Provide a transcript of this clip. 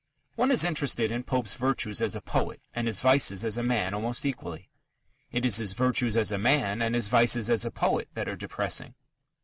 One is interested in Pope's virtues as a poet and his vices as a man almost equally. It is his virtues as a man and his vices as a poet that are depressing.